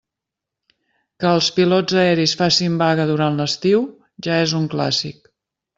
Que els pilots aeris facin vaga durant l'estiu, ja és un clàssic.